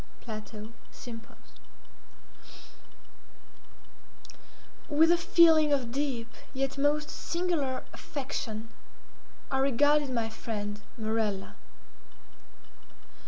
—PLATO—Sympos. With a feeling of deep yet most singular affection I regarded my friend Morella.